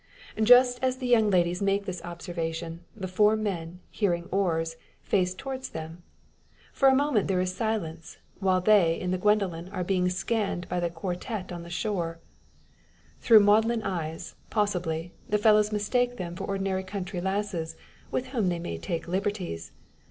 Just as the young ladies make this observation, the four men, hearing oars, face towards them. For a moment there is silence, while they in the Gwendoline are being scanned by the quartette on the shore. Through maudlin eyes, possibly, the fellows mistake them for ordinary country lasses, with whom they may take liberties.